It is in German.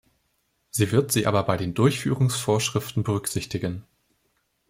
Sie wird sie aber bei den Durchführungsvorschriften berücksichtigen.